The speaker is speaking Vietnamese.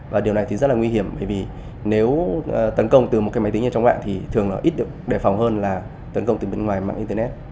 và điều này thì rất là nguy hiểm bởi vì nếu tấn công từ một cái máy tính như trong mạng thì thường nó ít được đề phòng hơn là tấn công từ bên ngoài mạng internet